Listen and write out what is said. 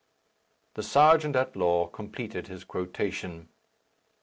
The serjeant at law completed his quotation.